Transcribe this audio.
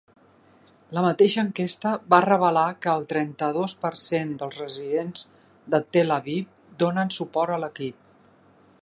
La mateixa enquesta va revelar que el trenta-dos per cent dels residents de Tel Aviv donen suport a l'equip.